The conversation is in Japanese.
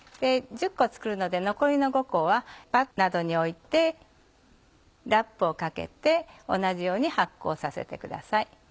１０個作るので残りの５個はバットなどに置いてラップをかけて同じように発酵させてください。